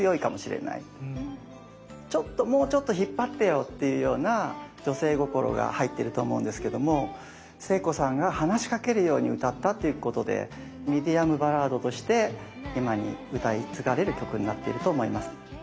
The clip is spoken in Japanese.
ちょっともうちょっと引っ張ってよっていうような女性心が入ってると思うんですけども聖子さんが話しかけるように歌ったっていうことでミディアムバラードとして今に歌い継がれる曲になってると思います。